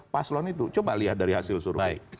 paslon itu coba lihat dari hasil survei